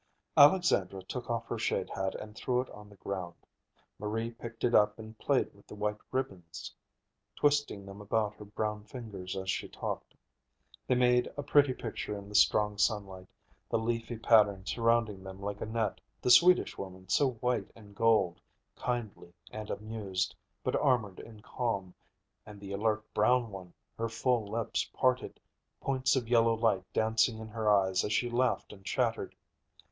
Alexandra took off her shade hat and threw it on the ground. Marie picked it up and played with the white ribbons, twisting them about her brown fingers as she talked. They made a pretty picture in the strong sunlight, the leafy pattern surrounding them like a net; the Swedish woman so white and gold, kindly and amused, but armored in calm, and the alert brown one, her full lips parted, points of yellow light dancing in her eyes as she laughed and chattered.